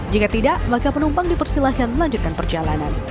jika tidak maka penumpang dipersilahkan melanjutkan perjalanan